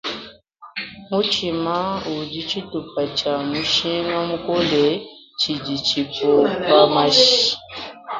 Mutshima udi tshitupa tshia mushinga mukole tshidi tshipompa mashi.